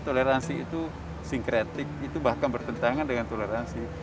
toleransi itu sinkretik itu bahkan bertentangan dengan toleransi